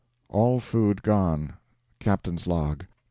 All food gone. Captain's Log.